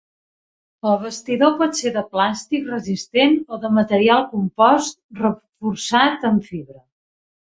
El bastidor pot ser de plàstic resistent o de material compost reforçat amb fibra.